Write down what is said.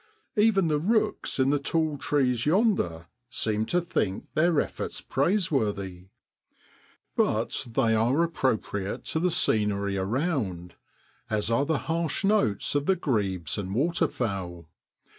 Even the rooks in the tall trees yonder MAT IN BROADLAND. 53 seem to think their efforts praiseworthy. But they are appropriate to the scenery around, as are the harsh notes of the grebes and waterfowl.